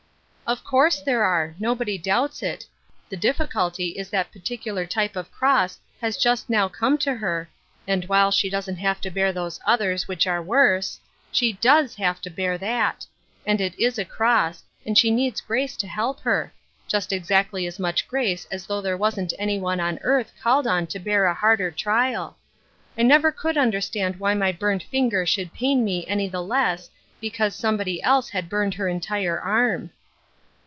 " Of course there are ; nobody doubts it ; the difficulty is that particular type of cross has just now come to her, and while she doesn't have to bear those others which are worse, she does have to bear that ; and it is a cross, and she needs grace to help her — just exactly as much grace as though there wasn't anyone on earth called on to bear a harder trial. I never could under stand why my burnt finger should pain me any the less because somebody else had burned her entire arm."